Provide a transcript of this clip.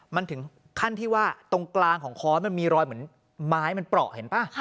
มันถึงขั้นที่ว่าตรงกลางของค้อนมันมีรอยเหมือนไม้มันเปราะเห็นป่ะ